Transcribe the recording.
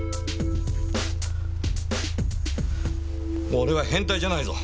俺は変態じゃないぞ。